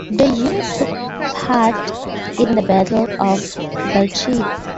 The unit took part in the Battle of Belchite.